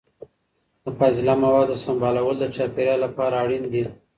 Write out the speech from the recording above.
د فاضله موادو سمبالول د چاپیریال لپاره اړین دي.